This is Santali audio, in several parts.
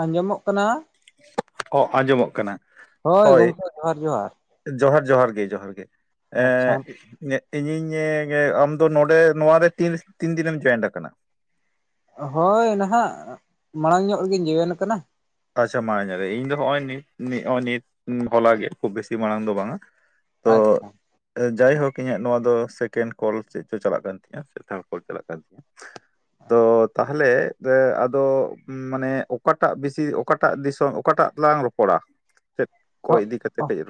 ᱟᱸᱡᱚᱢᱚᱜ ᱠᱟᱱᱟ ᱚ ᱟᱸᱡᱚᱢᱚᱜ ᱠᱟᱱᱟ ᱦᱳᱭ ᱜᱚᱝᱠᱮ ᱡᱚᱦᱟᱨ ᱡᱚᱦᱟᱨ ᱡᱚᱦᱟᱨ ᱡᱚᱦᱟᱨ ᱜᱮ ᱡᱚᱦᱟᱨ ᱜᱮ ᱟᱪᱪᱷᱟ ᱱᱤᱛ ᱤᱧᱤᱧ ᱟᱢ ᱫᱚ ᱱᱚᱰᱮ ᱱᱚᱣᱟ ᱨᱮ ᱛᱤᱱ ᱫᱤᱱᱮᱢ ᱡᱚᱭᱮᱱᱴ ᱟᱠᱟᱱᱟ ᱦᱳᱭ ᱱᱟᱦᱟᱜ ᱢᱟᱲᱟᱝ ᱧᱚᱜ ᱨᱮᱜᱮᱧ ᱡᱮᱣᱮᱱ ᱟᱠᱟᱱᱟ ᱟᱪᱪᱷᱟ ᱢᱟ ᱧᱮᱞ ᱤᱧ ᱫᱚ ᱱᱚᱜ ᱚᱭ ᱱᱤᱛ ᱱᱤᱛ ᱦᱚᱞᱟ ᱜᱮᱭᱟ ᱠᱷᱩᱵ ᱵᱤᱥᱤ ᱢᱟᱲᱟᱝ ᱫᱚ ᱵᱟᱝᱟ ᱛᱚ ᱟᱪᱪᱷᱟ ᱡᱟᱭᱦᱳᱠ ᱤᱧᱟᱹᱜ ᱱᱚᱣᱟ ᱫᱚ ᱥᱮᱠᱮᱱᱰ ᱠᱚᱞ ᱪᱮᱫ ᱪᱚ ᱪᱟᱞᱟᱜ ᱠᱟᱱ ᱛᱤᱧᱟᱹ ᱥᱮ ᱛᱷᱟᱲ ᱠᱚᱞ ᱪᱟᱞᱟᱜ ᱠᱟᱱ ᱛᱤᱧᱟᱹ ᱛᱚ ᱛᱟᱦᱞᱮ ᱟᱫᱚ ᱢᱟᱱᱮ ᱚᱠᱟᱴᱟᱜ ᱵᱤᱥᱤ ᱚᱠᱟᱴᱟᱜ ᱫᱤᱥᱚᱢ ᱚᱠᱟᱴᱟᱜ ᱞᱟᱝ ᱨᱚᱯᱚᱲᱟ ᱪᱮᱫ ᱠᱚ ᱤᱫᱤ ᱠᱟᱛᱮᱫ ᱠᱟᱹᱡ [unintelligible]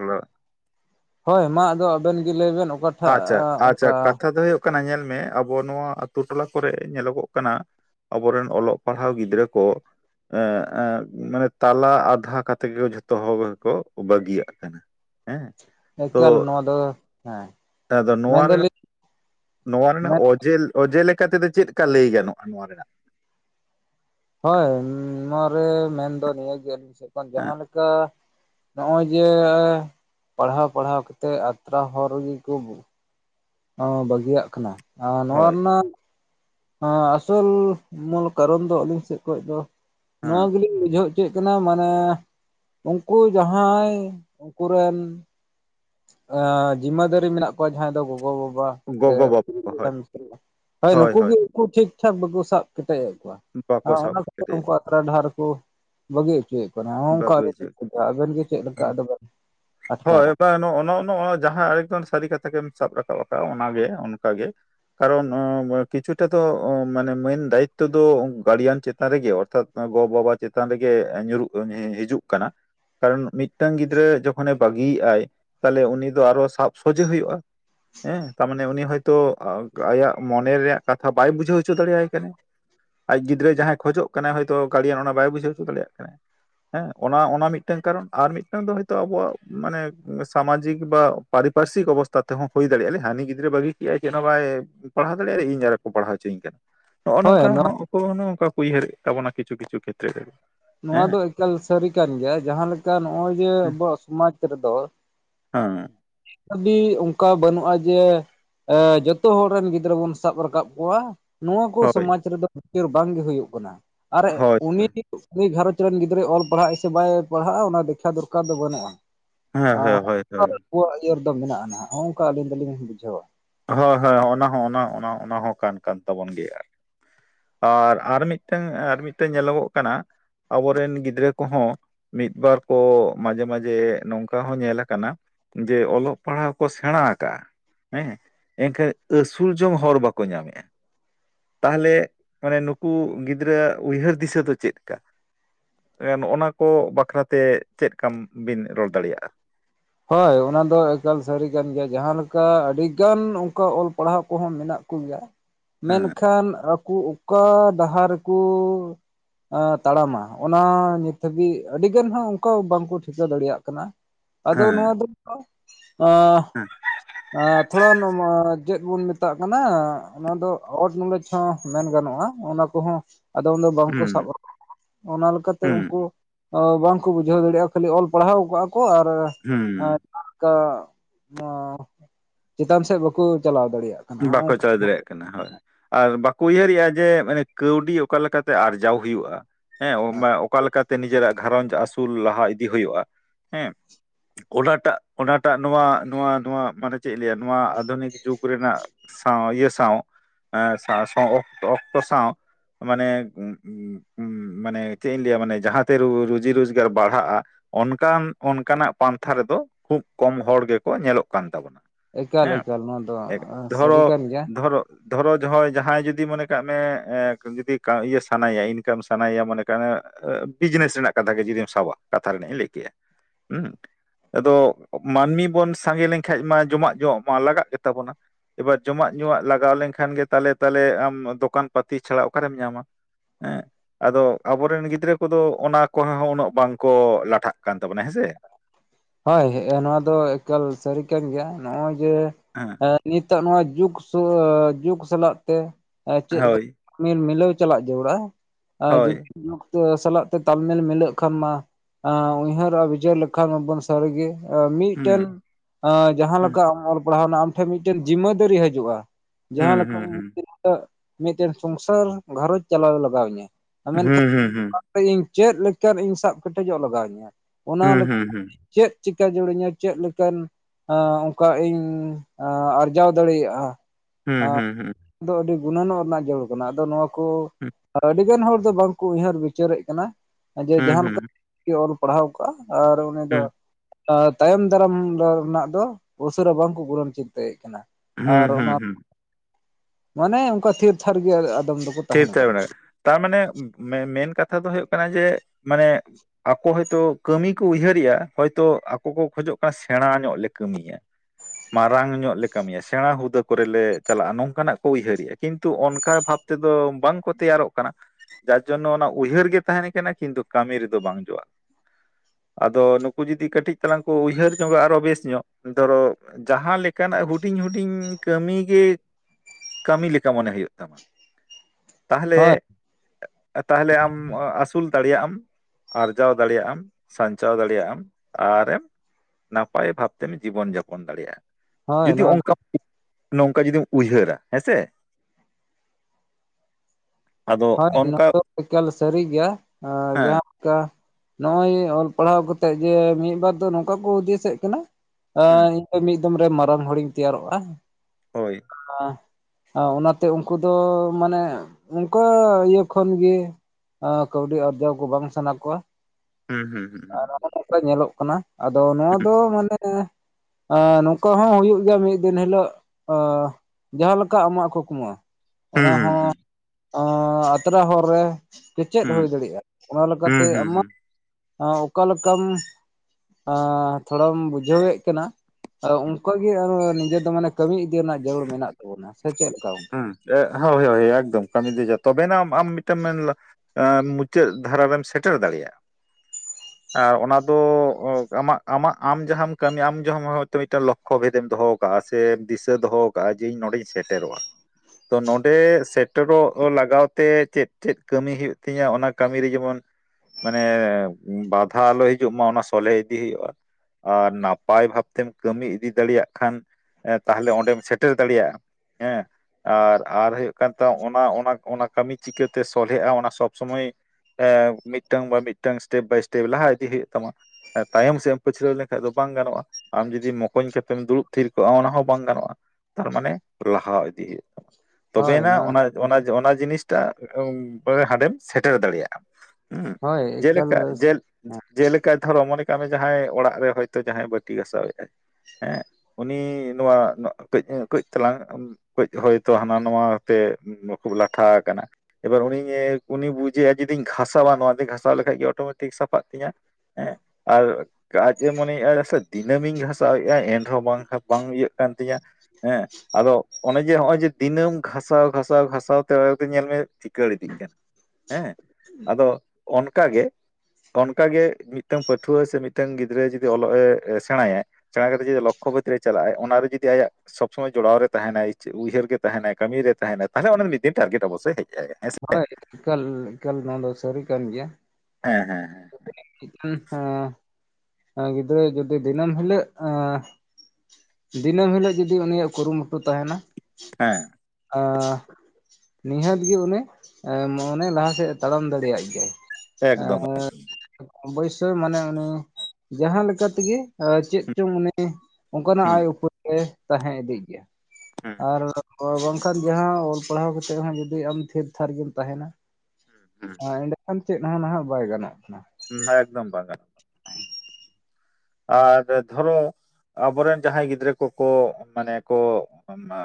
ᱦᱳᱭ ᱢᱟ ᱟᱫᱚ ᱟᱵᱮᱱ ᱜᱮ ᱞᱟᱹᱭᱵᱮᱱ ᱟᱪᱪᱷᱟ ᱚᱠᱟᱴᱟᱜ ᱟᱪᱪᱷᱟ ᱚᱱᱠᱟ ᱠᱟᱛᱷᱟ ᱫᱚ ᱦᱩᱭᱩᱜ ᱠᱟᱱᱟ ᱧᱮᱞ ᱢᱮ ᱟᱵᱚ ᱱᱚᱣᱟ ᱟᱛᱳ ᱴᱚᱞᱟ ᱠᱚᱨᱮ ᱧᱮᱞᱚᱜᱚᱜ ᱠᱟᱱᱟ ᱟᱵᱚᱨᱮᱱ ᱚᱞᱚᱜ ᱯᱟᱲᱦᱟᱣ ᱜᱤᱫᱽᱨᱟᱹ ᱠᱚ ᱢᱟᱱᱮ ᱛᱟᱞᱟ ᱟᱫᱷᱟ ᱠᱟᱛᱮᱜ ᱜᱮ ᱡᱷᱚᱛᱚ ᱦᱚᱲᱠᱚ ᱵᱟᱹᱜᱤᱭᱟᱜ ᱠᱟᱱᱟ᱾ ᱦᱮᱸ, ᱛᱚ ᱮᱠᱟᱞ ᱱᱚᱣᱟ ᱫᱚ ᱦᱮᱸ ᱟᱫᱚ ᱱᱚᱣᱟ ᱨᱮ ᱢᱮᱱᱫᱟᱞᱤᱧ ᱱᱚᱣᱟ ᱨᱮᱱᱟᱜ ᱢᱮᱱ ᱚᱡᱮ ᱚᱡᱮ ᱞᱮᱠᱟ ᱛᱮᱫᱚ ᱪᱮᱫᱠᱟ ᱞᱟᱹᱭ ᱜᱟᱱᱚᱜᱼᱟ ᱱᱚᱣᱟ ᱨᱮᱱᱟᱜ? ᱦᱳᱭ ᱱᱚᱣᱟᱨᱮ ᱢᱮᱱᱫᱚ ᱱᱤᱭᱟᱹᱜᱮ ᱢᱤᱫ ᱥᱮᱫ ᱠᱷᱚᱱ ᱦᱮᱸ ᱡᱟᱦᱟᱸ ᱞᱮᱠᱟ ᱱᱚᱜ ᱚᱭ ᱡᱮ ᱯᱟᱲᱦᱟᱣ ᱯᱟᱲᱦᱟᱣ ᱠᱟᱛᱮᱫ ᱟᱛᱨᱟ ᱦᱚᱨ ᱨᱤᱜᱤ ᱠᱩ ᱵᱟᱹᱜᱤᱭᱟᱜ ᱠᱟᱱᱟ ᱟᱨ ᱱᱚᱣᱟ ᱦᱳᱭ ᱨᱮᱱᱟᱜ ᱟᱥᱚᱞ ᱢᱩᱞ ᱠᱟᱨᱚᱱ ᱫᱚ ᱟᱹᱞᱤᱧ ᱥᱮᱫ ᱠᱷᱚᱱ ᱫᱚ ᱱᱚᱣᱟ ᱦᱮᱸ ᱜᱮᱞᱤᱧ ᱵᱩᱡᱷᱟᱹᱣ ᱪᱮᱫ ᱠᱟᱱᱟ ᱢᱟᱱᱮ ᱩᱱᱠᱩ ᱡᱟᱦᱟᱸᱭ ᱩᱱᱠᱩ ᱨᱮᱱ ᱡᱤᱢᱟᱹ ᱫᱟᱨᱤ ᱢᱮᱱᱟᱜ ᱠᱚᱣᱟ ᱡᱟᱦᱟᱸᱭ ᱫᱚ ᱜᱚᱜᱚ ᱵᱟᱵᱟ᱾ ᱥᱮ ᱜᱚᱜᱚ ᱵᱟᱵᱟ ᱠᱚ, ᱦᱳᱭ [unintelligible] ᱦᱳᱭ ᱱᱩᱠᱩ ᱜᱤ ᱩᱱᱠᱩ ᱴᱷᱤᱠᱼᱴᱷᱟᱠ ᱵᱟᱠᱩ ᱥᱟᱵ ᱠᱮᱴᱮᱡᱮᱫ ᱠᱚᱣᱟ᱾ ᱵᱟᱠᱚ ᱥᱟᱵ ᱚᱱᱟ ᱠᱷᱟᱹᱛᱤᱨ ᱫᱟᱲᱮᱭᱟᱜ ᱩᱱᱠᱩ ᱠᱚᱣᱟ ᱟᱛᱨᱟ ᱰᱟᱦᱟᱨ ᱠᱚ ᱵᱟᱹᱜᱤᱜ ᱪᱚᱭᱮᱫ ᱚᱱᱠᱟ ᱵᱟᱹᱜᱤ ᱦᱚᱪᱚᱭᱮᱫ ᱠᱚᱣᱟ [unintelligible] ᱟᱵᱮᱱ ᱜᱮ ᱪᱮᱫ ᱞᱮᱠᱟ ᱦᱮᱸ ᱟᱫᱚᱵᱮᱱ ᱟᱴᱠᱟᱨᱟ [unintelligible] ᱡᱟᱦᱟᱸ [unintelligible] ᱥᱟᱹᱨᱤ ᱠᱟᱛᱷᱟ ᱜᱮᱢ ᱥᱟᱵ ᱨᱟᱠᱟᱵ ᱟᱠᱟᱫᱟ ᱚᱮ ᱚᱱᱠᱟᱜ ᱜᱮ ᱠᱟᱨᱚᱱ ᱠᱤᱪᱷᱩᱴᱟ ᱫᱚ ᱢᱟᱱᱮ ᱢᱮᱱ ᱫᱟᱭᱤᱛᱛᱚ ᱫᱚ ᱜᱟᱲᱤᱭᱟᱱ ᱪᱮᱛᱟᱱ ᱨᱮᱜᱮ ᱚᱨᱛᱷᱟᱛ ᱜᱚ ᱵᱟᱵᱟ ᱪᱮᱛᱟᱱ ᱨᱮᱜᱮ ᱧᱩᱨᱩᱜ ᱦᱤᱡᱩᱜ ᱠᱟᱱᱟ ᱠᱟᱨᱚᱱ ᱢᱤᱫᱴᱟᱝ ᱜᱤᱫᱽᱨᱟᱹ ᱡᱚᱠᱷᱚᱱᱮ ᱵᱟᱹᱜᱤᱜ-ᱟᱭ ᱛᱷᱟᱞᱮ ᱩᱱᱤ ᱫᱚ ᱟᱨᱚ ᱥᱟᱵ ᱥᱚᱡᱷᱮ ᱦᱩᱭᱩᱜᱼᱟ᱾ ᱦᱮᱸ ᱛᱟᱨᱢᱟᱱᱮ ᱩᱱᱤ ᱦᱚᱭᱛᱳ ᱟᱭᱟᱜ ᱢᱚᱱᱮ ᱨᱮᱭᱟᱜ ᱠᱟᱛᱷᱟ ᱵᱟᱭ ᱵᱩᱡᱷᱟᱹᱣ ᱦᱚᱪᱚ ᱫᱟᱲᱮᱭᱟᱭ ᱠᱟᱱᱟᱭ᱾ ᱟᱡ ᱜᱤᱫᱽᱨᱟᱹ ᱡᱟᱦᱟᱸᱭ ᱠᱷᱚᱡᱚᱜ ᱠᱟᱱᱟᱭ ᱦᱚᱭᱛᱳ ᱜᱟᱲᱤᱭᱟᱱ ᱚᱱᱟ ᱵᱟᱭ ᱵᱩᱡᱷᱟᱹᱣ ᱦᱚᱪᱚ ᱫᱟᱲᱮᱭᱟᱜ ᱠᱟᱱᱟᱭ᱾ ᱦᱮᱸ, ᱚᱱᱟ ᱚᱱᱟ ᱢᱤᱫᱴᱟᱝ ᱠᱟᱨᱚᱱ ᱟᱨ ᱢᱤᱫᱴᱟᱝ ᱫᱚ ᱦᱚᱭᱛᱳ ᱟᱵᱚᱣᱟᱜ ᱢᱟᱱᱮ ᱥᱟᱢᱟᱡᱤᱠ ᱵᱟ ᱯᱟᱨᱤᱯᱟᱨᱥᱤᱠ ᱚᱵᱚᱥ ᱛᱟᱛᱮ ᱦᱚᱸ ᱦᱩᱭ ᱫᱟᱲᱮᱭᱟᱜᱼᱟ ᱞᱮ ᱦᱟᱹᱱᱤ ᱜᱤᱫᱽᱨᱟᱹ ᱵᱟᱹᱜᱤ ᱠᱮᱫᱼᱟᱭ ᱪᱮᱫ ᱦᱚᱸ ᱵᱟᱭ ᱯᱟᱲᱦᱟᱣ ᱫᱟᱲᱮᱟᱭ ᱤᱧ ᱟᱨ ᱠᱚ ᱯᱟᱲᱦᱟᱣ ᱦᱚᱪᱚᱤᱧ ᱠᱟᱱᱟ᱾ ᱱᱚᱜᱼᱚ ᱦᱳᱭ ᱱᱚᱝᱠᱟ ᱱᱚᱣᱟ ᱦᱚᱸ ᱚᱠᱚᱱᱚ ᱱᱚᱝᱠᱟ ᱠᱚ ᱩᱭᱦᱟᱹᱨᱮᱫ ᱛᱟᱵᱱᱟ ᱠᱤᱪᱷᱩ ᱠᱤᱪᱷᱩ ᱠᱷᱮᱛᱨᱮ ᱨᱮ᱾ ᱱᱚᱣᱟ ᱫᱚ ᱮᱠᱟᱞ ᱥᱟᱹᱨᱤ ᱠᱟᱱ ᱜᱮᱭᱟ ᱡᱟᱦᱟᱸ ᱞᱮᱠᱟ ᱱᱚᱜᱼᱚᱭ ᱡᱮ ᱦᱮᱸ ᱟᱵᱚᱣᱟᱜ ᱥᱚᱢᱟᱡ ᱨᱮᱫᱚ ᱦᱮᱸ᱾ ᱟᱹᱰᱤ ᱩᱝᱠᱟ ᱵᱟᱹᱱᱩᱜᱼᱟ ᱡᱮ ᱡᱚᱛᱚ ᱦᱚᱲ ᱨᱮᱱ ᱜᱤᱫᱽᱨᱟᱹ ᱵᱚᱱ ᱥᱟᱵ ᱨᱟᱠᱟᱵ ᱠᱚᱣᱟ᱾ ᱱᱚᱣᱟ ᱠᱚ ᱦᱳᱭ ᱥᱚᱢᱟᱡᱽ ᱨᱮᱫᱚ ᱩᱪᱟᱹᱨ ᱵᱟᱝᱜᱮ ᱦᱩᱭᱩᱜ ᱠᱟᱱᱟ ᱟᱨ ᱦᱳᱭ ᱩᱱᱤ ᱦᱳᱭ ᱩᱱᱤ ᱜᱷᱟᱨᱚᱪ ᱨᱮᱱ ᱜᱤᱫᱽᱨᱟᱹ ᱚᱞ ᱯᱟᱲᱦᱟᱜᱼᱟᱭ ᱥᱮ ᱵᱟᱭ ᱯᱟᱲᱦᱟᱜᱼᱟ ᱚᱱᱟ ᱫᱮᱠᱷᱟ ᱫᱚᱨᱠᱟᱨ ᱫᱚ ᱵᱟᱹᱱᱩᱜᱼᱟ᱾ ᱦᱮᱸ ᱟᱸ ᱦᱮᱸ ᱦᱳᱭ ᱦᱳᱭ ᱚᱠᱟᱨ ᱟᱵᱚᱣᱟᱜ ᱤᱭᱟᱹ ᱨᱮᱫᱚ ᱢᱮᱱᱟᱜᱼᱟᱱ ᱦᱟᱸᱜ ᱚᱝᱠᱟ ᱟᱹᱞᱤᱧ ᱫᱚᱞᱤᱧ ᱵᱩᱡᱷᱟᱹᱣᱼᱟ᱾ ᱦᱳᱭ ᱦᱳᱭ ᱚᱱᱟ ᱦᱚᱸ ᱚᱱᱟ ᱚᱱᱟ ᱚᱱᱟ ᱦᱚᱸ ᱠᱟᱱ ᱠᱟᱱ ᱛᱟᱵᱚᱱ ᱜᱮᱭᱟ᱾ ᱟᱨ ᱟᱨ ᱢᱤᱫᱴᱮᱝ ᱟᱨ ᱢᱤᱫᱴᱟᱝ ᱧᱮᱞᱚᱜᱚᱜ ᱠᱟᱱᱟ ᱟᱵᱚᱨᱮᱱ ᱜᱤᱫᱽᱨᱟᱹ ᱠᱚᱦᱚᱸ ᱢᱤᱫᱵᱟᱨ ᱠᱚ ᱢᱟᱡᱷᱮ ᱢᱟᱡᱷᱮ ᱱᱚᱝᱠᱟ ᱦᱚᱸ ᱧᱮᱞ ᱟᱠᱟᱱᱟ ᱡᱮ ᱚᱞᱚᱜ ᱯᱟᱲᱦᱟᱣ ᱠᱚ ᱥᱮᱬᱟ ᱟᱠᱟᱜᱼᱟ, ᱦᱮᱸ ᱮᱱᱠᱷᱟᱹᱡ ᱟᱹᱥᱩᱞ ᱡᱚᱝ ᱦᱚᱲ ᱵᱟᱠᱚ ᱧᱟᱢᱮᱜᱼᱟ᱾ ᱛᱟᱦᱚᱞᱮ ᱢᱟᱱᱮ ᱱᱩᱠᱩ ᱜᱤᱫᱽᱨᱟᱹ ᱩᱭᱦᱟᱹᱨ ᱫᱤᱥᱟᱹ ᱫᱚ ᱪᱮᱫᱠᱟ? ᱮ ᱱᱚᱜᱼᱚ ᱱᱟᱠᱚ ᱵᱟᱠᱷᱨᱟ ᱛᱮ ᱪᱮᱫ ᱠᱟᱢ ᱵᱤᱱ ᱨᱚᱲ ᱫᱟᱲᱮᱭᱟᱜᱼᱟ? ᱦᱳᱭ ᱚᱱᱟ ᱫᱚ ᱮᱠᱟᱞ ᱥᱟᱹᱨᱤ ᱠᱟᱱ ᱜᱮᱭᱟ ᱡᱟᱦᱟᱸ ᱞᱮᱠᱟ ᱟᱹᱰᱤᱜᱟᱱ ᱚᱱᱠᱟ ᱚᱞ ᱯᱟᱲᱦᱟᱣ ᱠᱚᱦᱚᱸ ᱢᱮᱱᱟᱜ ᱠᱩ ᱜᱮᱭᱟ ᱦᱮᱸ ᱢᱮᱱᱠᱷᱟᱱ ᱟᱠᱩ ᱩᱠᱟ ᱰᱟᱦᱟᱨ ᱠᱩ ᱮᱸ ᱛᱟᱲᱟᱢᱟ ᱚᱱᱟ ᱱᱤᱛ ᱦᱟᱹᱵᱤᱡ ᱟᱹᱰᱤ ᱜᱟᱱ ᱦᱚᱸ ᱚᱱᱠᱟ ᱵᱟᱝᱠᱚ ᱴᱷᱤᱠᱟᱹ ᱫᱟᱲᱮᱭᱟᱜ ᱠᱟᱱᱟ᱾ ᱟᱫᱚ ᱦᱮᱸ ᱱᱚᱣᱟ ᱫᱚ ᱚᱝᱠᱟ ᱟᱸ ᱦᱮᱸ᱾ ᱮᱸ ᱛᱷᱚᱲᱟ ᱱᱚᱢ ᱪᱮᱫ ᱵᱚᱱ ᱢᱮᱛᱟᱜ ᱠᱟᱱᱟ ᱱᱚᱣᱟ ᱫᱚ [unintelligible] ᱦᱮᱸ ᱢᱮᱱ ᱜᱟᱱᱚᱜᱼᱟ, ᱚᱱᱟ ᱠᱚᱦᱚᱸ ᱟᱫᱚ ᱫᱚ ᱵᱟᱝᱠᱚ ᱦᱩᱸ ᱥᱟᱵ [unintelligible] ᱚᱱᱟ ᱞᱮᱠᱟᱛᱮ ᱦᱩᱸ ᱩᱝᱠᱩ ᱮᱸ ᱵᱟᱝᱠᱚ ᱵᱩᱡᱷᱟᱹᱣ ᱫᱟᱲᱮᱭᱟᱜᱼᱟ ᱠᱷᱟᱹᱞᱤ ᱚᱞ ᱯᱟᱲᱦᱟᱣ ᱠᱟᱜᱼᱟ ᱠᱚ ᱟᱨ ᱦᱩᱸ ᱮᱸ ᱚᱝᱠᱟ ᱟᱸ ᱪᱮᱛᱟᱱ ᱥᱮᱫ ᱵᱟᱠᱩ ᱪᱟᱞᱟᱣ ᱫᱟᱲᱮᱭᱟᱜᱼᱟ᱾ ᱵᱟᱠᱚ ᱪᱟᱞᱟᱣ ᱫᱟᱲᱮᱭᱟᱜ ᱠᱟᱱᱟ ᱦᱳᱭ᱾ ᱟᱨ ᱵᱟᱠᱚ ᱩᱭᱦᱟᱹᱨᱮᱜᱼᱟ ᱡᱮ ᱢᱟᱱᱮ ᱠᱟᱹᱣᱰᱤ ᱚᱠᱟ ᱞᱮᱠᱟᱛᱮ ᱟᱨᱡᱟᱣ ᱦᱩᱭᱩᱜᱼᱟ, ᱦᱮᱸ᱾ ᱚᱠᱟ ᱞᱮᱠᱟᱛᱮ ᱱᱤᱡᱮᱨᱟᱜ ᱜᱷᱟᱨᱚᱸᱡᱽ ᱟᱹᱥᱩᱞ ᱞᱟᱦᱟ ᱤᱫᱤ ᱦᱩᱭᱩᱜᱼᱟ ᱦᱮᱸ᱾ ᱚᱱᱟᱴᱟᱜ ᱚᱱᱟᱴᱟᱜ ᱱᱚᱣᱟ ᱱᱚᱣᱟ ᱱᱚᱣᱟ ᱢᱟᱱᱮ ᱪᱮᱫ ᱤᱧ ᱞᱟᱹᱭᱟ ᱱᱚᱣᱟ ᱟᱫᱷᱩᱱᱤᱠ ᱡᱩᱜᱽ ᱨᱮᱱᱟᱜ ᱥᱟᱶ ᱤᱭᱟᱹ ᱥᱟᱶ ᱮᱸ ᱥᱟᱶ ᱥᱟᱶ ᱚᱠᱛᱚ ᱥᱟᱶ ᱢᱟᱱᱮ ᱢᱟᱱᱮ ᱪᱮᱫ ᱤᱧ ᱞᱟᱹᱭᱟ ᱢᱟᱱᱮ ᱡᱟᱦᱟᱸᱛᱮ ᱨᱩᱡᱤ ᱨᱳᱡᱽᱜᱟᱨ ᱵᱟᱲᱦᱟᱜᱼᱟ ᱚᱱᱠᱟᱱ ᱚᱱᱠᱟᱱᱟᱜ ᱯᱟᱱᱛᱷᱟ ᱨᱮᱫᱚ ᱠᱷᱩᱵ ᱠᱚᱢ ᱦᱚᱲ ᱜᱮᱠᱚ ᱧᱮᱞᱚᱜ ᱠᱟᱱ ᱛᱟᱵᱚᱱᱟ᱾ ᱮᱠᱟᱞ ᱮᱠᱟᱞ ᱱᱚᱣᱟ ᱫᱚ ᱥᱟᱹᱨᱤ ᱫᱷᱚᱨᱚ ᱠᱟᱱ ᱜᱮᱭᱟ ᱫᱷᱚᱨᱚ ᱫᱷᱚᱨᱚ ᱡᱚᱦᱚᱭ ᱡᱟᱦᱟᱸᱭ ᱡᱩᱫᱤ ᱢᱚᱱᱮ ᱠᱟᱜ ᱢᱮ ᱡᱩᱫᱤ ᱤᱭᱟᱹ ᱥᱟᱱᱟᱭᱮᱭᱟ ᱤᱱᱠᱟᱢ ᱥᱟᱱᱟᱭᱮᱭᱟ ᱢᱟᱱᱮ ᱠᱟᱱᱮ ᱵᱤᱡᱽᱱᱮᱥ ᱨᱮᱱᱟᱜ ᱠᱟᱛᱷᱟ ᱜᱮ ᱡᱩᱫᱤᱢ ᱥᱟᱵᱟ ᱠᱟᱛᱷᱟ ᱨᱮᱱᱟᱜ ᱤᱧ ᱞᱟᱹᱭ ᱠᱮᱫᱟ ᱦᱩᱸ, ᱟᱫᱚ ᱢᱟᱹᱱᱢᱤ ᱵᱚᱱ ᱥᱟᱸᱜᱮ ᱞᱮᱱᱠᱷᱟᱱ ᱢᱟ ᱡᱚᱢᱟᱜ ᱧᱩᱟᱜ ᱢᱟ ᱞᱟᱜᱟᱜ ᱜᱮᱛᱟᱵᱚᱱᱟ᱾ ᱮᱵᱟᱨ ᱡᱚᱢᱟᱜ ᱧᱩᱣᱟᱜ ᱞᱟᱜᱟᱣ ᱞᱮᱱᱠᱷᱟᱱ ᱜᱮ ᱛᱟᱦᱞᱮ ᱛᱟᱦᱞᱮ ᱟᱢ ᱫᱚᱠᱟᱱ ᱯᱟᱹᱛᱤ ᱪᱷᱟᱲᱟ ᱚᱠᱟᱨᱮᱢ ᱧᱟᱢᱟ? ᱦᱮᱸ ᱟᱫᱚ ᱟᱵᱚᱨᱮᱱ ᱜᱤᱫᱽᱨᱟᱹ ᱠᱚᱫᱚ ᱚᱱᱟ ᱠᱚᱨᱮ ᱦᱚᱸ ᱩᱱᱟᱹᱜ ᱵᱟᱝᱠᱚ ᱞᱟᱴᱷᱟᱜ ᱠᱟᱱ ᱛᱟᱵᱚᱱᱟ ᱦᱮᱸᱥᱮ? ᱦᱳᱭ ᱱᱚᱣᱟ ᱫᱚ ᱮᱠᱟᱞ ᱥᱟᱹᱨᱤ ᱠᱟᱱ ᱜᱮᱭᱟ, ᱱᱚᱜᱼᱚᱭ ᱡᱮ ᱦᱮᱸ᱾ ᱟᱨ ᱱᱤᱛᱚᱜ ᱱᱚᱣᱟ ᱡᱩᱜ ᱥᱩ ᱡᱩᱜ ᱥᱟᱞᱟᱜ ᱛᱮ ᱪᱮᱫᱞᱮᱠᱟ ᱦᱳᱭ ᱢᱤᱞ ᱢᱤᱞᱟᱹᱣ ᱪᱟᱞᱟᱜ ᱡᱟᱹᱨᱩᱲᱟ ᱟᱨ ᱦᱳᱭ ᱡᱩᱫᱤ ᱩᱱ ᱚᱠᱛᱚ ᱥᱟᱞᱟᱜ ᱛᱮ ᱛᱟᱞᱢᱮᱞ ᱢᱤᱞᱟᱹᱜ ᱠᱷᱟᱱ ᱢᱟ ᱩᱭᱦᱟᱹᱨ ᱟᱨ ᱵᱤᱡᱟᱹᱨ ᱞᱮᱠᱷᱟᱡ ᱢᱟᱵᱚᱱ ᱥᱟᱹᱨᱤᱜᱮ ᱢᱤᱫᱴᱮᱱ ᱦᱩᱸ ᱡᱟᱸᱦᱟ ᱦᱩᱸ ᱞᱮᱠᱟ ᱟᱢ ᱚᱞ ᱯᱟᱲᱦᱟᱣᱱᱟᱢ ᱴᱷᱮᱱ ᱢᱤᱫᱴᱮᱱ ᱡᱤᱢᱟᱹᱫᱟᱨᱤ ᱦᱤᱡᱩᱜᱼᱟ ᱡᱟᱦᱟᱸ ᱦᱩᱸ ᱞᱮᱠᱟ ᱦᱩᱸ ᱤᱧ ᱦᱩᱸ ᱢᱤᱫᱴᱮᱱ ᱥᱚᱝᱥᱟᱨ ᱜᱷᱟᱨᱚᱸᱧᱡᱽ ᱪᱟᱞᱟᱣ ᱞᱟᱜᱟᱣ ᱤᱧᱟᱹ ᱢᱮᱱᱠᱷᱟᱱ ᱦᱩᱸ ᱦᱩᱸ ᱦᱩᱸ ᱤᱧ ᱪᱮᱫ ᱞᱮᱠᱟᱱ ᱤᱧ ᱥᱟᱵ ᱠᱮᱴᱮᱡᱼᱚᱜ ᱞᱟᱜᱟᱣ ᱤᱧᱟᱹ ᱚᱱᱟ ᱞᱮᱠᱟ ᱪᱮᱫ ᱪᱤᱠᱟ ᱡᱟᱹᱲᱤᱧᱟ ᱪᱮᱫ ᱞᱮᱠᱟᱱ ᱚᱱᱠᱟ ᱤᱧ ᱟᱨᱡᱟᱣ ᱫᱟᱲᱮᱭᱟᱜᱼᱟ ᱚᱱᱟ ᱦᱩᱸ ᱦᱩᱸ ᱦᱩᱸ ᱫᱚ ᱟᱹᱰᱤ ᱜᱩᱱᱟᱹᱱᱚᱜ ᱨᱮᱱᱟᱜ ᱡᱚᱲ ᱠᱟᱱᱟ ᱟᱫᱚ ᱱᱚᱣᱟ ᱠᱚ ᱟᱹᱰᱤᱜᱟᱱ ᱦᱚᱲ ᱫᱚ ᱵᱟᱝ ᱠᱚ ᱩᱭᱦᱟᱹᱨ ᱵᱤᱪᱟᱹᱨᱮᱫ ᱠᱟᱱᱟ ᱡᱮ ᱡᱟᱦᱟᱸ ᱞᱮᱠᱟ ᱚᱞ ᱯᱟᱲᱦᱟᱣ ᱠᱟᱜᱼᱟ ᱟᱨ ᱩᱱᱤ ᱫᱚ ᱛᱟᱭᱚᱢ ᱫᱟᱨᱟᱢ ᱨᱮᱱᱟᱜ ᱫᱚ ᱩᱥᱟᱹᱨᱟ ᱵᱟᱝ ᱠᱚ ᱜᱩᱨᱩᱱ ᱪᱤᱱᱛᱟᱹᱭᱮᱫ ᱠᱟᱱᱟ ᱟᱨ ᱚᱱᱟ ᱦᱩᱸ, ᱢᱟᱱᱮ ᱚᱱᱠᱟ ᱛᱷᱤᱨ ᱛᱷᱟᱨ ᱜᱮ ᱟᱫᱚᱢ ᱫᱚᱠᱚ ᱛᱷᱤᱨ ᱛᱟᱦᱮᱱ ᱛᱷᱟᱨ ᱠᱟᱱᱟ ᱢᱮᱱᱟᱜ ᱛᱟᱨ ᱢᱟᱱᱮ ᱢᱮᱱ ᱠᱟᱛᱷᱟ ᱫᱚ ᱦᱩᱭᱩᱜ ᱠᱟᱱᱟ ᱡᱮ ᱢᱟᱱᱮ ᱟᱠᱚ ᱦᱚᱭᱛᱳ ᱠᱟᱹᱢᱤ ᱠᱚ ᱩᱭᱦᱟᱹᱨ ᱮᱫᱟ ᱦᱚᱭᱛᱳ ᱟᱠᱚ ᱠᱚ ᱠᱷᱚᱡᱚᱜ ᱠᱟᱱᱟ ᱥᱮᱸᱬᱟ ᱧᱚᱜ ᱞᱮ ᱠᱟᱹᱢᱤᱭᱟ ᱢᱟᱨᱟᱝ ᱧᱚᱜ ᱞᱮ ᱠᱟᱹᱢᱤᱭᱟ ᱥᱮᱬᱟ ᱦᱩᱫᱟᱹ ᱠᱚᱨᱮᱞᱮ ᱪᱟᱞᱟᱜᱼᱟ ᱱᱚᱝᱠᱟ ᱱᱟᱜ ᱠᱚ ᱩᱭᱦᱟᱹᱨᱮᱫᱼᱟ ᱠᱤᱱᱛᱩ ᱚᱱᱠᱟ ᱵᱷᱟᱵᱽ ᱛᱮᱫᱚ ᱵᱟᱝ ᱠᱚ ᱛᱮᱭᱟᱨᱚᱜ ᱠᱟᱱᱟ ᱡᱟᱨ ᱡᱚᱱᱱᱚ ᱚᱱᱟ ᱩᱭᱦᱟᱹᱨ ᱜᱮ ᱛᱟᱦᱮᱸᱱ ᱠᱟᱱᱟ ᱠᱤᱱᱛᱩ ᱠᱟᱹᱢᱤ ᱨᱮᱫᱚ ᱵᱟᱝ ᱡᱚᱜᱼᱟ ᱟᱫᱚ ᱱᱩᱠᱩ ᱡᱩᱫᱤ ᱠᱟᱹᱴᱤᱡ ᱛᱟᱞᱟᱝ ᱠᱚ ᱩᱭᱦᱟᱹᱨ ᱧᱚᱜᱟ ᱟᱨᱚ ᱵᱮᱥ ᱧᱚᱜ ᱫᱷᱚᱨᱚ ᱡᱟᱦᱟᱸ ᱞᱮᱠᱟᱱᱟᱜ ᱦᱩᱰᱤᱧ ᱦᱩᱰᱤᱧ ᱠᱟᱹᱢᱤ ᱜᱮ ᱠᱟᱹᱢᱤ ᱞᱮᱠᱟ ᱢᱚᱱᱮ ᱦᱩᱭᱩᱜ ᱛᱟᱢᱟ ᱛᱟᱦᱚᱞᱮ ᱦᱳᱭ ᱛᱟᱦᱚᱞᱮ ᱟᱢ ᱟᱹᱥᱩᱞ ᱫᱟᱲᱮᱭᱟᱜ ᱟᱢ ᱟᱨᱡᱟᱣ ᱫᱟᱲᱮᱭᱟᱜᱼᱟᱢ ᱥᱟᱧᱪᱟᱣ ᱫᱟᱲᱮᱭᱟᱜᱼᱟᱢ ᱟᱨᱮᱢ ᱱᱟᱯᱟᱭ ᱵᱷᱟᱵᱽᱛᱮᱢ ᱡᱤᱵᱚᱱ ᱡᱟᱯᱚᱱ ᱫᱟᱲᱮᱭᱟᱜᱼᱟ ᱦᱳᱭ ᱡᱩᱫᱤ ᱱᱚᱣᱟ ᱫᱚ ᱚᱱᱠᱟ ᱱᱚᱝᱠᱟ ᱡᱩᱫᱤᱢ ᱩᱭᱦᱟᱹᱨᱟ ᱦᱮᱸᱥᱮ ᱟᱫᱚ ᱦᱳᱭ ᱚᱱᱠᱟ ᱱᱚᱣᱟ ᱫᱚ ᱮᱠᱟᱞ ᱥᱟᱹᱨᱤ ᱜᱮᱭᱟ ᱟᱨ ᱦᱮᱸ ᱡᱟᱦᱟᱸ ᱠᱟ ᱱᱚᱜᱼᱚᱭ ᱚᱞ ᱯᱟᱲᱦᱟᱣ ᱠᱟᱛᱮᱫ ᱡᱮ ᱢᱤᱫᱵᱟᱨ ᱫᱚ ᱱᱚᱝᱠᱟ ᱠᱚ ᱦᱩᱫᱤᱥᱮᱫ ᱠᱟᱱᱟ ᱦᱩᱸ ᱤᱧ ᱫᱚ ᱢᱤᱫ ᱫᱚᱢ ᱨᱮ ᱢᱟᱨᱟᱝ ᱦᱚᱲᱤᱧ ᱛᱮᱭᱟᱨᱚᱜᱼᱟ ᱦᱳᱭ ᱚᱱᱟᱛᱮ ᱩᱱᱠᱩ ᱫᱚ ᱢᱟᱱᱮ ᱚᱠᱟ ᱤᱭᱟᱹ ᱠᱷᱚᱱ ᱜᱮ ᱠᱟᱹᱣᱰᱤ ᱟᱨᱡᱟᱣ ᱠᱚ ᱵᱟᱝ ᱥᱟᱱᱟ ᱠᱚᱣᱟ ᱦᱩᱸ ᱦᱩᱸ ᱦᱩᱸ ᱦᱩᱸ ᱚᱱᱠᱟ ᱧᱮᱞᱚᱜ ᱠᱟᱱᱟ ᱟᱫᱚ ᱱᱚᱣᱟ ᱫᱚ ᱢᱟᱱᱮ ᱱᱚᱝᱠᱟ ᱦᱚᱸ ᱦᱩᱭᱩᱜ ᱜᱮᱭᱟ ᱢᱤᱫ ᱫᱤᱱ ᱦᱤᱞᱳᱜ ᱡᱟᱦᱟᱸᱞᱮᱠᱟ ᱟᱢᱟᱜ ᱠᱩᱠᱢᱩ ᱦᱩᱸ ᱚᱱᱟ ᱦᱚᱸ ᱦᱩᱸ ᱟᱛᱨᱟ ᱦᱚᱨ ᱨᱮ ᱠᱮᱪᱮᱫ ᱦᱩᱭ ᱦᱩᱸ ᱫᱟᱲᱮᱭᱟᱜᱼᱟ ᱚᱱᱟ ᱦᱩᱸ ᱞᱮᱠᱟᱛᱮ ᱟᱢᱟᱜ ᱦᱩᱸ ᱚᱠᱟᱞᱮᱠᱟᱢ ᱛᱷᱚᱲᱟᱢ ᱵᱩᱡᱷᱟᱹᱣᱮᱫ ᱠᱟᱱᱟ ᱚᱱᱠᱟ ᱜᱮ ᱱᱤᱡᱮ ᱫᱚ ᱢᱟᱱᱮ ᱠᱟᱹᱢᱤ ᱤᱫᱤ ᱨᱮᱱᱟᱜ ᱡᱟᱹᱨᱩᱲ ᱢᱮᱱᱟᱜ ᱛᱟᱵᱚᱱᱟ ᱥᱮ ᱪᱮᱫ ᱞᱮᱠᱟ ᱜᱳᱝᱠᱮ ᱦᱩᱸ ᱦᱳᱭ ᱦᱳᱭ ᱮᱠᱫᱚᱢ ᱠᱟᱹᱢᱤ ᱫᱚ ᱡᱚᱛ ᱛᱚᱵᱮᱱᱟ ᱟᱢ ᱢᱤᱫᱴᱮᱱ ᱮᱢ ᱢᱮᱱ ᱮ ᱢᱩᱪᱟᱹᱫ ᱫᱷᱟᱨᱟ ᱨᱮᱢ ᱥᱮᱴᱮᱨ ᱫᱟᱲᱮᱭᱟᱜᱼᱟ ᱟᱨ ᱚᱱᱟ ᱫᱚ ᱟᱢᱟᱜ ᱟᱢᱟᱜ ᱟᱢ ᱡᱟᱦᱟᱸᱼᱟᱢ ᱠᱟᱹᱢᱤ ᱟᱢ ᱡ ᱦᱚᱭᱛᱳ ᱢᱤᱫᱴᱟᱝ ᱞᱚᱠᱠᱷᱚ ᱠᱚ ᱵᱷᱮᱫᱮ ᱮᱢ ᱫᱚᱦᱚ ᱟᱠᱟᱜᱼᱟ ᱥᱮ ᱫᱤᱥᱟᱹ ᱫᱚᱦᱚ ᱟᱠᱟᱫᱟᱼᱟ ᱡᱮ ᱤᱧ ᱱᱚᱸᱰᱮᱧ ᱥᱮᱴᱮᱨᱚᱜᱼᱟ ᱛᱚ ᱱᱚᱸᱰᱮ ᱥᱮᱴᱮᱨᱚᱜ ᱞᱟᱜᱟᱣ ᱛᱮ ᱪᱮᱜ ᱪᱮᱜ ᱠᱟᱹᱢᱤ ᱦᱩᱭᱩᱜ ᱛᱤᱧᱟᱹ ᱚᱱᱟ ᱠᱟᱹᱢᱤ ᱨᱮ ᱡᱮᱢᱚᱱ ᱢᱟᱱᱮ ᱵᱟᱫᱷᱟ ᱟᱞᱚ ᱦᱤᱡᱩᱜ ᱢᱟ ᱚᱱᱟ ᱥᱚᱞᱦᱮ ᱤᱫᱤ ᱦᱩᱭᱩᱜᱼᱟ ᱟᱨ ᱱᱟᱯᱟᱭ ᱵᱷᱟᱵᱽᱛᱮᱢ ᱠᱟᱹᱢᱤ ᱤᱫᱤ ᱫᱟᱲᱤᱭᱟᱜ ᱠᱷᱟᱱ ᱮᱸ ᱛᱟᱦᱚᱞᱮ ᱚᱸᱰᱮᱢ ᱥᱮᱴᱮᱨ ᱫᱟᱲᱮᱭᱟᱜᱼᱟ ᱦᱮᱸ ᱟᱨ ᱟᱨ ᱦᱩᱭᱩᱜ ᱠᱟᱱ ᱛᱟᱢ ᱚᱱᱟ ᱚᱱᱟ ᱚᱱᱟ ᱠᱟᱹᱢᱤ ᱪᱤᱠᱟᱹᱛᱮ ᱥᱚᱞᱦᱮᱜᱼᱟ ᱚᱱᱟ ᱥᱚᱵ ᱥᱚᱢᱚᱭ ᱮᱻ ᱢᱤᱫᱴᱟᱝ ᱵᱟ ᱢᱤᱫᱴᱟᱝ ᱥᱴᱮᱯ ᱵᱟᱭ ᱥᱴᱮᱯ ᱞᱟᱦᱟ ᱤᱫᱤ ᱦᱩᱭᱩᱜ ᱛᱟᱢᱟ ᱮ ᱛᱟᱭᱚᱢ ᱥᱮᱜ ᱮᱢ ᱯᱟᱹᱪᱷᱟ. ᱞᱟᱣ ᱞᱮᱠᱷᱟᱡ ᱫᱚ ᱵᱟᱝ ᱜᱟᱱᱚᱜᱼᱟ ᱟᱢ ᱡᱩᱫᱤ ᱢᱚᱠᱚᱧ ᱠᱟᱛᱮᱢ ᱫᱩᱲᱩᱵ ᱛᱷᱤᱨ ᱠᱚᱜᱼᱟ ᱚᱱᱟ ᱦᱚᱸ ᱵᱟᱝ ᱜᱟᱱᱚᱜᱼᱟ ᱛᱟᱨᱢᱟᱱᱮ ᱞᱟᱦᱟᱣ ᱤᱫᱤ ᱦᱤᱭᱩᱜ ᱦᱳᱭ ᱛᱚᱵᱮᱭᱱᱟᱜ ᱱᱚᱣᱟ ᱚᱱᱟ ᱚᱱᱟ ᱚᱱᱟ ᱡᱤᱱᱤᱥᱴᱟᱜ ᱦᱟᱸᱰᱮᱢ ᱥᱮᱴᱮᱨ ᱫᱟᱲᱮᱭᱟᱜᱼᱟ ᱦᱩᱸ ᱦᱳᱭ ᱮᱠᱟᱞ ᱡᱮᱞᱮᱠᱟ ᱡᱮᱞ ᱡᱮᱞᱮᱠᱟ ᱫᱷᱚᱨᱚ ᱢᱚᱱᱮ ᱠᱟᱜ ᱢᱮ ᱡᱟᱦᱟᱸᱭ ᱚᱲᱟᱜ ᱨᱮ ᱦᱚᱭᱛᱳ ᱡᱟᱦᱟᱸᱭ ᱵᱟᱹᱴᱤ ᱜᱟᱥᱟᱣ ᱮᱫᱟᱭ ᱮᱸᱜ ᱩᱱᱤ ᱱᱚᱣᱟ ᱱᱚᱜ ᱠᱟᱹᱡ ᱠᱟᱹᱡ ᱪᱟᱞᱟᱝ ᱦᱳᱭᱛᱚ ᱦᱟᱱᱟ ᱱᱟᱣᱟ ᱛᱮ ᱠᱷᱩᱵ ᱞᱟᱴᱷᱟᱣ ᱟᱠᱟᱱᱟ ᱮᱵᱟᱨ ᱩᱱᱤᱧᱮ ᱩᱱᱤᱭ ᱵᱩᱡᱮᱭᱟ ᱡᱩᱫᱤᱧ ᱜᱷᱟᱥᱟᱣᱟ ᱱᱚᱣᱟ ᱫᱚᱧ ᱜᱷᱟᱥᱟᱣ ᱞᱮᱠᱷᱟᱡ ᱜᱮ ᱚᱴᱳᱢᱮᱴᱤᱠ ᱥᱟᱯᱷᱟᱜ ᱛᱤᱧᱟᱹ ᱦᱮᱸ ᱟᱨ ᱟᱡᱽ ᱮ ᱢᱚᱱᱮᱭᱼᱟ ᱥᱮ ᱫᱤᱱᱟᱹᱢᱤᱧ ᱜᱷᱟᱥᱟᱣᱮᱜᱼᱟ ᱮᱱ ᱨᱮᱦᱚᱸ ᱵᱟᱝ ᱠᱷᱟᱯ ᱯᱟᱝ ᱤᱭᱟᱹᱜ ᱠᱟᱱ ᱛᱤᱧᱟᱹ ᱦᱮᱸ ᱟᱫᱚ ᱚᱱᱮ ᱡᱮ ᱱᱚᱜᱼᱚᱭ ᱡᱮ ᱫᱤᱱᱟᱹᱢ ᱜᱷᱟᱥᱟᱣ ᱜᱷᱟᱥᱟᱣ ᱜᱷᱟᱥᱟᱣ ᱛᱮ [unintelligible] ᱧᱮᱞ ᱢᱮ ᱪᱤᱠᱟ. ᱲ ᱤᱫᱤᱜ ᱠᱟᱱᱟ ᱦᱮᱸ ᱟᱫᱚ ᱚᱱᱠᱟᱜ ᱜᱮ ᱚᱱᱠᱟᱜ ᱜᱮ ᱢᱤᱫᱴᱟᱝ ᱯᱟᱹᱴᱷᱩᱣᱟᱹ ᱥᱮ ᱢᱤᱫᱴᱟᱝ ᱜᱤᱫᱽᱨᱟᱹ ᱡᱩᱫᱤ ᱚᱞᱚᱜ ᱮ ᱥᱮᱬᱟᱭᱟᱭ ᱥᱮᱬᱟ ᱠᱟᱛᱮ ᱡᱩᱫᱤ ᱞᱚᱠᱠᱷᱚ ᱵᱚᱛᱤᱨᱮ ᱪᱟᱞᱟᱜᱼᱟᱭ ᱚᱱᱟᱨᱮ ᱡᱩᱫᱤ ᱟᱭᱟᱜ ᱥᱚᱵᱽᱥᱚᱢᱚᱭ ᱡᱚᱲᱟᱣ ᱨᱮ ᱛᱟᱦᱮᱱᱟᱭ ᱩᱭᱦᱟᱹᱨ ᱜᱮ ᱛᱟᱦᱮᱱᱟᱭ ᱠᱟᱹᱢᱤ ᱨᱮ ᱛᱟᱦᱮᱱᱟ ᱛᱟᱦᱚᱞᱮ ᱚᱱᱟ ᱫᱚ ᱢᱤᱫ ᱫᱤᱱ ᱴᱟᱨᱜᱮᱴ ᱚᱵᱚᱥᱥᱚᱭ ᱦᱮᱡ ᱟᱭᱟ ᱦᱮᱸ ᱥᱮ [inaudible] ᱮᱠᱟᱞ ᱮᱠᱟᱞ ᱱᱚᱣᱟ ᱫᱚ ᱥᱟᱹᱨᱤ ᱠᱟᱱ ᱜᱮᱭᱟ ᱦᱮᱸ ᱦᱮᱸ ᱦᱮᱸ [unintelligible] ᱦᱩᱸ ᱜᱤᱫᱽᱨᱟᱹ ᱡᱩᱫᱤ ᱫᱤᱱᱟᱹᱢ ᱦᱤᱞᱟᱹᱜ ᱟᱸᱻ ᱫᱤᱱᱟᱹᱢ ᱦᱤᱞᱳᱜ ᱡᱩᱫᱤ ᱩᱱᱤᱭᱟᱜ ᱠᱩᱨᱩᱢᱩᱴᱩ ᱛᱟᱦᱮᱱᱟ ᱦᱮᱸ ᱟᱸ ᱱᱤᱦᱟ. ᱛ ᱜᱮ ᱩᱱᱤ ᱮᱸ ᱢᱚᱱᱮ ᱞᱟᱦᱟ ᱥᱮᱜᱼᱮ ᱛᱟᱲᱟᱢ ᱫᱟᱲᱮᱭᱟᱜ ᱜᱮᱭᱟᱭ ᱮᱠᱫᱚᱢ ᱮᱸᱻᱜ ᱵᱚ. ᱭᱥᱳᱭ ᱢᱟᱱᱮ ᱩᱱᱤ ᱡᱟᱦᱟᱸ ᱞᱮᱠᱟ ᱛᱤᱜᱮ ᱪᱮᱜ ᱦᱩᱸ ᱪᱚᱝ ᱩᱱᱤ ᱚᱱᱠᱟᱱᱟᱜ ᱦᱩᱸ ᱟᱭ ᱩᱯᱟ. [inaudible] ᱛᱟᱦᱮᱸ ᱤᱫᱤᱜ ᱜᱮᱭᱟ ᱦᱩᱸ ᱟᱨ ᱦᱚᱭ ᱵᱟᱝᱠᱷᱟᱱ ᱡᱟᱦᱟᱸ ᱚᱞ ᱯᱟᱲᱦᱟᱣ ᱠᱟᱛᱮᱜ ᱦᱚᱸ ᱡᱩᱫᱤ ᱟᱢ ᱛᱷᱤᱨ ᱛᱷᱟᱨ ᱜᱮᱢ ᱛᱟᱦᱮᱱᱟ ᱦᱩᱸ ᱮᱸᱰᱮᱠᱷᱟᱱ ᱪᱮᱜ ᱦᱚᱸ ᱱᱟᱦᱟᱸᱜ ᱵᱟᱭ ᱜᱟᱱᱚᱜᱼᱟ ᱠᱟᱱᱟ [unintelligible] ᱟᱫᱚ ᱫᱷᱚᱨᱚ ᱟᱵᱚᱨᱮᱱ ᱡᱟᱦᱟᱸᱭ ᱜᱤᱫᱽᱨᱟᱹ ᱠᱚᱠᱚ ᱢᱟᱱᱮ ᱠᱚᱜ ᱟᱢᱟ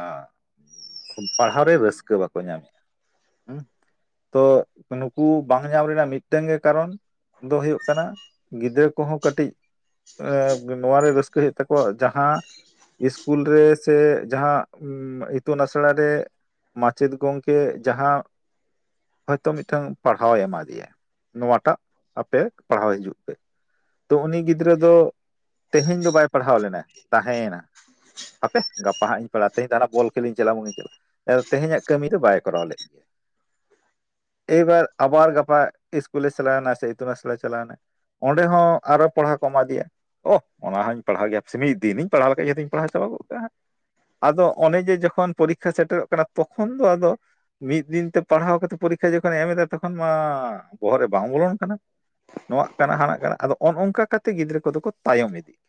ᱯᱟᱲᱦᱟᱣ ᱨᱮ ᱨᱟᱹᱥᱠᱟᱹ ᱵᱟᱠᱚ ᱧᱟᱢ ᱢᱮᱜᱼᱟ ᱦᱩᱸ ᱛᱚ ᱱᱩᱠᱩ ᱵᱟᱝ ᱧᱟᱢ ᱨᱮᱱᱟᱜ ᱢᱤᱫᱴᱮᱝ ᱜᱮ ᱠᱟᱨᱚᱱ ᱫᱚ ᱦᱩᱭᱩᱜ ᱠᱟᱱᱟ ᱜᱤᱫᱟᱹᱨ ᱠᱚᱦᱚᱸ ᱠᱟᱹᱴᱤᱡ ᱮᱸᱜ ᱱᱚᱣᱟᱨᱮ ᱨᱟᱹᱥᱠᱟᱹ ᱦᱩᱭᱩᱜ ᱛᱟᱠᱚᱣᱟ ᱡᱟᱦᱟᱸ ᱤᱥᱠᱩᱞ ᱨᱮ ᱥᱮ ᱡᱟᱦᱟᱸ ᱤᱛᱩᱱ ᱟᱥᱲᱟᱨᱮ ᱢᱟᱪᱮᱫ ᱜᱚᱝᱠᱮ ᱡᱟᱦᱟᱸ ᱦᱚᱭᱛᱚ ᱢᱤᱫᱴᱟᱝ ᱯᱟᱲᱦᱟᱣ ᱮ ᱮᱢᱟ ᱫᱮᱭᱟ ᱱᱚᱣᱟᱴᱟᱜ ᱟᱯᱮ ᱯᱟᱲᱦᱟᱣ ᱦᱤᱡᱩᱜ ᱯᱮ ᱛᱚ ᱩᱱᱤ ᱜᱤ ᱫᱽᱨᱟᱹ ᱫᱚ ᱛᱮᱦᱮᱧ ᱫᱚ ᱵᱟᱭ ᱯᱟᱲᱦᱟᱣ ᱞᱮᱱᱟ ᱛᱟᱦᱮᱸᱭᱮᱱᱟ ᱦᱟᱯᱷᱮ ᱜᱟᱯᱟᱦᱟᱸᱜ ᱤᱧ ᱯᱟᱲᱦᱟᱜᱼᱟ ᱛᱮᱦᱤᱧ ᱫᱚ ᱦᱟᱱᱟ ᱵᱚᱞ ᱠᱷᱮᱞ ᱤᱧ ᱪᱟᱞᱟᱜᱼᱟ ᱢᱩᱵᱷᱤᱧ ᱪᱟᱞᱟᱜᱼᱟ ᱮᱻ ᱛᱮᱦᱤᱧᱟᱜ ᱠᱟᱹᱢᱤ ᱫᱚ ᱵᱟᱭ ᱠᱚᱨᱟᱣ ᱞᱮᱜ ᱜᱮᱭᱟ ᱮᱵᱟᱨ ᱟᱵᱟᱨ ᱜᱟᱯᱟ ᱤᱥᱠᱩᱞ ᱮ ᱪᱟᱞᱟᱣᱮᱱᱟ ᱥᱮ ᱤᱛᱩᱱ ᱟᱥᱟᱲᱟᱭ ᱪᱟᱞᱟᱣᱱᱟᱭ ᱚᱸᱰᱮ ᱦᱚᱸ ᱟᱨᱚ ᱯᱟᱲᱦᱟᱣ ᱠ ᱠᱚᱮᱢᱟ ᱫᱮᱭᱟ ᱚᱦ ᱚᱱᱟᱦᱚᱧ ᱯᱟᱲᱦᱟᱣ ᱜᱮᱭᱟ ᱦᱟᱯᱮ ᱥᱮ ᱢᱤᱫ ᱫᱤᱱ ᱤᱧ ᱯᱟᱲᱟᱣ ᱞᱮᱠᱷᱟᱡ ᱡᱚᱛᱚᱧ ᱯᱟᱲᱦᱟᱣ ᱪᱟᱵᱟ ᱜᱚᱜ ᱠᱟᱜᱼᱟ ᱦᱟᱸᱜ ᱟᱫᱚ ᱚᱱᱮ ᱡᱮ ᱡᱚᱠᱷᱚᱱ ᱯᱚᱨᱤᱠᱷᱟ ᱥᱮᱴᱮᱨᱚᱜ ᱠᱟᱱᱟ ᱛᱚᱠᱷᱚᱱ ᱫᱚ ᱟᱫᱚ ᱢᱤᱫ ᱫᱤᱱ ᱛᱮ ᱯᱟᱨᱦᱟᱣ ᱠᱟᱛᱮ ᱯᱚᱨᱤᱠᱷᱟ ᱡᱚᱠᱷᱚᱱᱮ ᱮᱢ ᱮᱫᱟ ᱛᱚᱠᱷᱚᱱ ᱢᱟ ᱵᱚᱦᱚᱜ ᱨᱮ ᱵᱟᱝ ᱵᱚᱞᱚᱱ ᱠᱟᱱᱟ ᱱᱚᱣᱟ ᱠᱟᱱᱟ ᱦᱟᱱᱟᱼᱱᱟᱜ ᱠᱟᱱᱟ ᱟᱫᱚ ᱚᱱ ᱚᱱᱠᱟ ᱠᱟᱛᱮᱫ ᱜᱤᱫᱽᱨᱟᱹ ᱠᱚ ᱫᱚ ᱠᱚ ᱛᱟᱭᱚᱢ ᱤᱫᱤᱜ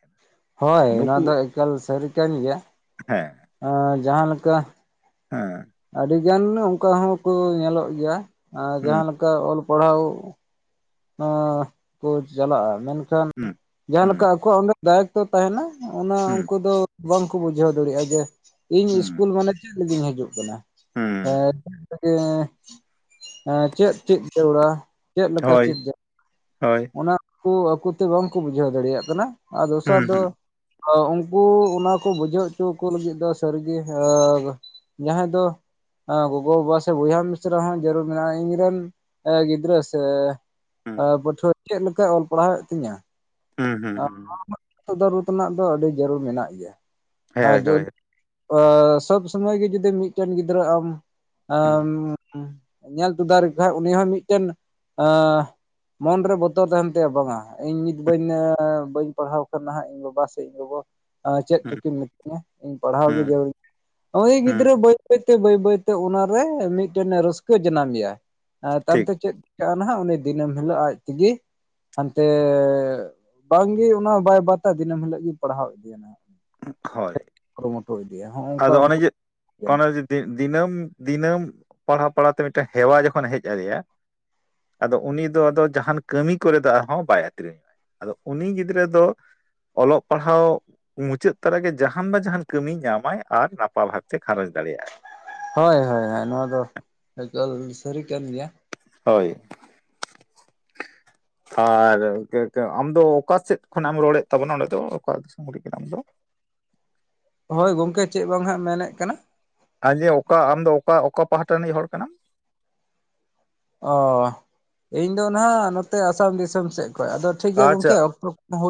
ᱦᱳᱭ ᱚᱱᱟ ᱱᱩᱠᱩ ᱫᱚ ᱮᱠᱟᱞ ᱥᱟᱹᱨᱤ ᱠᱟᱱ ᱜᱮᱭᱟ᱾ ᱦᱮᱸ ᱟ ᱡᱟᱦᱟᱸ ᱞᱮᱠᱟ ᱦᱮᱸ ᱟᱹᱰᱤᱜᱟᱱ ᱚᱱᱠᱟ ᱦᱚᱸᱠᱚ ᱧᱮᱞᱚᱜ ᱜᱮᱭᱟ ᱟᱸ ᱦᱩᱸ ᱡᱟᱦᱟᱸ ᱞᱮᱠᱟ ᱚᱞ ᱯᱟᱲᱦᱟᱣ ᱟᱸ ᱠᱩ ᱡᱟᱞᱟᱜᱼᱟ ᱢᱮᱱ ᱠᱷᱟᱱ ᱦᱩᱸ ᱡᱟᱦᱟᱸ ᱦᱩᱸ ᱞᱮᱠᱟ ᱟᱠᱚᱣᱟᱜ ᱚᱸᱰᱮ ᱫᱟᱭᱮᱠ ᱠᱛᱚ ᱛᱟᱦᱮᱱᱟ ᱚᱱᱟ ᱦᱩᱸ ᱩᱱᱠᱩ ᱫᱚ ᱵᱟᱝ ᱠᱚ ᱵᱩᱡᱷᱟᱹᱣ ᱫᱟᱲᱮᱭᱟᱜᱼᱟ ᱡᱮ ᱤᱧ ᱦᱩᱸ ᱤᱥᱠᱩᱞ ᱢᱟᱱᱮ [unintelligible] ᱦᱤᱡᱩᱜ ᱠᱟᱱᱟ ᱦᱩᱸ [unintelligible] ᱪᱮᱸ ᱮ ᱪᱮᱫ ᱪᱮᱫ ᱡᱟᱹᱲᱩᱲᱟ ᱦᱳᱭ ᱼᱼ ᱦᱳᱭ ᱚᱱᱟ ᱠᱩ ᱟᱠᱚ ᱛᱮ ᱵᱟᱝ ᱠᱚ ᱵᱩᱡᱷᱟᱹᱣ ᱫᱟᱲᱮᱭᱟᱜ ᱠᱟᱱᱟ ᱟᱨ ᱫᱚᱥᱟᱨ ᱦᱩᱸ ᱫᱚ ᱦᱩᱸ ᱟᱣ ᱩᱱᱠᱩ ᱚᱱᱟᱠᱩ ᱵᱩᱡᱷᱟᱹᱣ ᱦᱚᱪᱚ ᱟᱠᱩ ᱞᱟᱹᱜᱤᱫ ᱫᱚ ᱥᱟᱹᱨᱤᱜᱤ ᱦᱮᱣ ᱡᱟᱦᱟᱸᱭ ᱫᱚ ᱟᱸ ᱜᱚᱜᱚ ᱵᱟᱵᱟ ᱥᱮ ᱵᱚᱭᱦᱟ ᱢᱤᱥᱨᱟ ᱦᱚᱸ ᱡᱟᱹᱨᱩᱲ ᱢᱮᱱᱟᱜᱼᱟ ᱤᱧ ᱨᱮᱱ ᱜᱤᱫᱽᱨᱟᱹ ᱥᱮ ᱟ ᱦᱩᱸ ᱯᱟᱹᱴᱷᱩᱣᱟᱹ ᱪᱮᱫ ᱞᱮᱠᱟᱭ ᱚᱞ ᱯᱟᱲᱦᱟᱣ ᱮᱫ ᱛᱤᱧᱟᱹ ᱦᱩᱸ ᱦᱩᱸ ᱦᱩᱸ ᱨᱩᱴ ᱨᱮᱱᱟᱜ ᱫᱚ ᱟᱹᱰᱤ ᱡᱟᱹᱨᱩᱲ ᱢᱮᱱᱟᱜ ᱜᱮᱭᱟ ᱟᱨ ᱦᱳᱭ ᱡᱩ ᱦᱳᱭ ᱟ ᱥᱚᱵ ᱥᱚᱢᱚᱭ ᱜᱮ ᱡᱩᱫᱤ ᱢᱤᱫᱴᱮᱱ ᱜᱤᱫᱽᱨᱟᱹ ᱟᱢ ᱟᱢ ᱦᱩᱸ ᱧᱮᱞ ᱛᱩᱫᱟ ᱮᱠᱷᱟᱱ ᱩᱱᱤ ᱦᱚᱸ ᱢᱤᱫᱴᱮᱱ ᱟ ᱢᱚᱱ ᱨᱮ ᱵᱚᱛᱚᱨ ᱛᱟᱦᱮᱸᱱ ᱛᱟᱭᱟ ᱵᱟᱝᱼᱟ ᱤᱧ ᱧᱤᱛ ᱵᱟᱹᱧ ᱟ ᱵᱟᱹᱧ ᱯᱟᱲᱦᱟᱣ ᱟᱠᱟᱱᱟ ᱦᱟᱸᱜ ᱤᱧ ᱵᱟᱵᱟ ᱥᱮ ᱤᱧ ᱜᱚᱜᱚ ᱟ ᱪᱮᱫ ᱦᱩᱸ ᱪᱚᱠᱤᱱ ᱢᱤᱛᱟᱹᱧᱟ ᱤᱧ ᱯᱟᱲᱦᱟᱣ ᱜᱮ ᱦᱩᱸ ᱡᱟᱹᱨᱩᱲᱟ ᱩᱱᱤ ᱦᱩᱸ ᱜᱤᱫᱽᱨᱟᱹ ᱵᱟᱹᱭ ᱵᱟᱹᱭ ᱛᱮ ᱵᱟᱹᱭ ᱵᱟᱹᱭ ᱛᱮ ᱚᱱᱟᱨᱮ ᱢᱤᱫᱴᱮᱱ ᱮ ᱨᱟᱹᱥᱠᱟᱹ ᱡᱳᱱᱟᱱᱜᱮᱭᱟ ᱟ ᱛᱟᱭᱚᱢ ᱴᱷᱤᱠ ᱛᱮ ᱪᱮᱫ ᱪᱤᱠᱟᱹᱜᱼᱟ ᱱᱟᱦᱟᱜ ᱩᱱᱤ ᱫᱤᱱᱟᱹᱢ ᱦᱤᱞᱳᱜ ᱟᱡ ᱛᱮᱜᱤ ᱦᱟᱱᱛᱮ ᱵᱟᱝ ᱜᱤ ᱚᱱᱟ ᱵᱟᱭ ᱵᱟᱛᱟ ᱫᱤᱱᱟᱹᱢ ᱦᱤᱞᱳᱜ ᱜᱤ ᱯᱟᱲᱦᱟᱣ ᱩᱪᱩᱭᱮ ᱦᱳᱭ ᱱᱟᱦᱟᱜ ᱤᱫᱤᱭᱟ ᱦᱚᱸᱜᱼᱚ ᱱᱚᱠᱟᱠᱩᱚᱜᱼᱟ [unintelligible] ᱫᱤᱱ ᱫᱤᱱᱟᱹᱢ ᱫᱤᱱᱟᱹᱢ ᱯᱟᱲᱦᱟᱣ ᱯᱟᱲᱦᱟᱣ ᱛᱮ ᱢᱤᱫ ᱴᱮᱱ ᱦᱮᱣᱟ ᱡᱚᱠᱷᱚᱱᱮ ᱦᱮᱡ ᱟᱫᱮᱭᱟ ᱟᱫᱚ ᱩᱱᱤ ᱫᱚ ᱟᱫᱚ ᱡᱟᱦᱟᱸᱱ ᱠᱟᱹᱢᱤ ᱠᱚᱨᱮᱫ ᱫᱚ ᱟᱨᱦᱚᱸ ᱵᱟᱭ ᱟᱹᱛᱨᱤᱧᱟ ᱟᱫᱚ ᱩᱱᱤ ᱜᱤᱫᱽᱨᱟᱹ ᱫᱚ ᱚᱞᱚᱜ ᱯᱟᱲᱦᱟᱣ ᱢᱩᱪᱟᱹᱫ ᱛᱚᱨᱟ ᱜᱮ ᱡᱟᱦᱟᱸᱱ ᱵᱟ ᱡᱟᱦᱟᱸᱱ ᱠᱟᱹᱢᱤ ᱧᱟᱢᱟᱭ ᱟᱨ ᱱᱟᱯᱟ ᱵᱷᱟᱵᱽ ᱛᱮ ᱜᱷᱟᱨᱚᱸᱡᱽ ᱫᱟᱲᱮᱭᱟᱜᱼᱟᱭ ᱦᱳᱭ ᱦᱳᱭ ᱦᱳᱭ ᱱᱚᱣᱟ ᱫᱚ ᱮᱠᱟᱞ ᱥᱟᱹᱨᱤ ᱠᱟᱱ ᱜᱮᱭᱟ ᱦᱳᱭ ᱟᱨ ᱟᱢᱫᱚ ᱳᱠᱟ ᱥᱮᱫ ᱠᱷᱚᱱᱟᱜ ᱮᱢ ᱨᱚᱲᱮᱫ ᱛᱟᱵᱚᱱᱟ ᱚᱸᱰᱮ ᱫᱚ ᱚᱠᱟ ᱫᱤᱥᱚᱢ ᱨᱮᱜ ᱟᱢ ᱫᱚ ᱦᱳᱭ ᱜᱚᱝᱠᱮ ᱪᱮᱫ ᱵᱟᱝ ᱦᱟᱜ ᱢᱮᱱᱮᱫ ᱠᱟᱱᱟ ᱟ ᱡᱮ ᱚᱠᱟ ᱟᱢ ᱫᱚ ᱚᱠᱟ, ᱚᱠᱟ ᱯᱟᱦᱟᱴᱟ ᱨᱤᱱᱤᱡ ᱦᱚᱲ ᱠᱟᱱᱟᱢ ᱚ ᱤᱧ ᱫᱚ ᱱᱟᱦᱟᱜ ᱱᱚᱛᱮ ᱟᱥᱟᱢ ᱫᱤᱥᱚᱢ ᱥᱮᱫ ᱠᱷᱚᱱ ᱟᱫᱚ ᱴᱷᱤᱠ ᱜᱮᱭᱟ ᱟᱪᱪᱷᱟ ᱜᱚᱢᱠᱮ ᱚᱠᱛᱚ ᱦᱳ